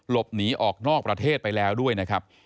หลบหนีออกนอกประเทศไปแล้วด้วยนะครับ